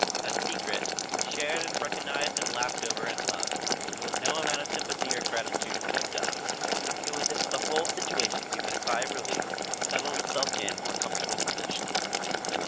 That secret, shared and recognized and laughed over and loved, did what no amount of sympathy or gratitude could have done. It was as if the whole situation heaved a sigh of relief and settled itself in more comfortable position.